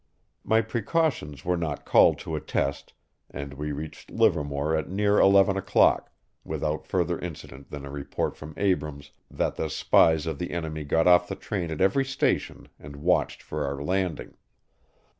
My precautions were not called to a test, and we reached Livermore at near eleven o'clock, without further incident than a report from Abrams that the spies of the enemy got off the train at every station and watched for our landing.